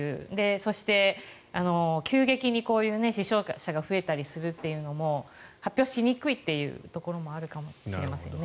そして、急激にこういう死傷者が増えていくというのも発表しにくいというところもあるかもしれませんね。